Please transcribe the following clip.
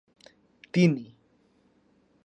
তিনি